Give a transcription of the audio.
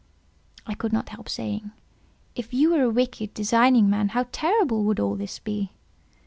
I could not help saying, "If you were a wicked, designing man, how terrible would all this be!"